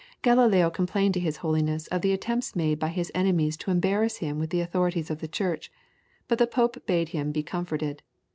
Galileo complained to his Holiness of the attempts made by his enemies to embarrass him with the authorities of the Church, but the Pope bade him be comforted.